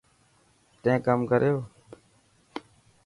تين ڪم ڪريو.